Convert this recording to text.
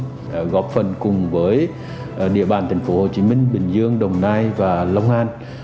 chúng tôi sẽ góp phần cùng với địa bàn thành phố hồ chí minh bình dương đồng nai và long an